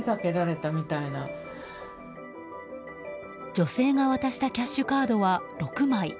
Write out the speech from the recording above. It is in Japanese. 女性が渡したキャッシュカードは６枚。